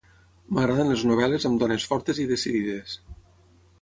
M'agraden les novel·les amb dones fortes i decidides.